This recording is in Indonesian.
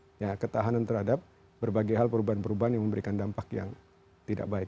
ada ketahanan terhadap berbagai hal perubahan perubahan yang memberikan dampak yang tidak baik